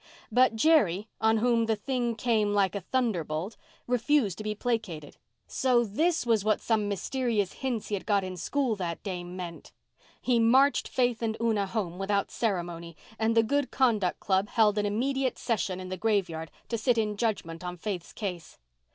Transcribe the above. But Jerry, on whom the thing came like a thunderbolt, refused to be placated. So this was what some mysterious hints he had got in school that day meant! He marched Faith and Una home without ceremony, and the Good Conduct Club held an immediate session in the graveyard to sit in judgment on Faith's case.